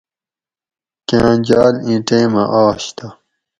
کاۤں جال اِیں ٹیمہ آش تہ